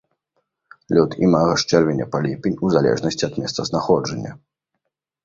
Лёт імага з чэрвеня па ліпень у залежнасці ад месцазнаходжання.